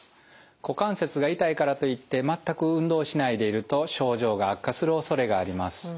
股関節が痛いからといってまったく運動をしないでいると症状が悪化するおそれがあります。